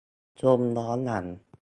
ชมย้อนหลัง